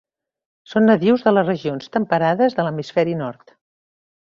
Són nadius de les regions temperades de l'hemisferi nord.